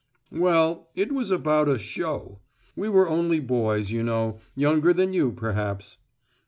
"Well it was about a `show.' We were only boys, you know younger than you, perhaps."